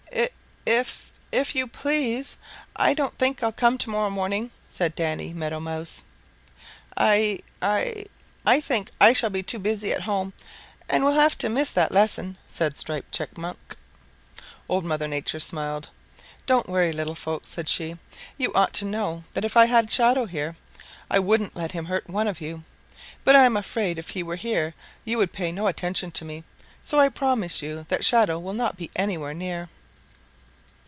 "If if if you please, I don't think I'll come to morrow morning," said Danny Meadow Mouse. "I I I think I shall be too busy at home and will have to miss that lesson," said Striped Chipmunk. Old Mother Nature smiled. "Don't worry, little folks," said she. "You ought to know that if I had Shadow here I wouldn't let him hurt one of you. But I am afraid if he were here you would pay no attention to me, so I promise you that Shadow will not be anywhere near."